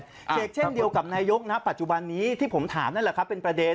เชกเช่นเดียวกับนายกนะปัจจุบันนี้ที่ผมถามนั่นแหละครับเป็นประเด็น